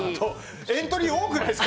エントリー多くないですか。